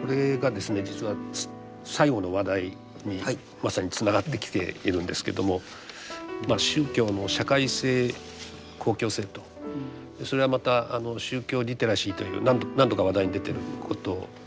これがですね実は最後の話題にまさにつながってきているんですけども宗教の社会性公共性とそれはまた宗教リテラシーという何度か話題に出てることとも関わってます。